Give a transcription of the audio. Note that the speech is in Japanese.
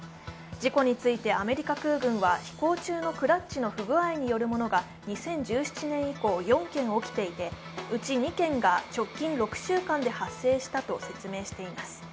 事故についてアメリカ空軍は飛行中のクラッチの不具合によるものが２０１７年以降、４件起きていてうち２件が直近６週間で発生したと説明しています。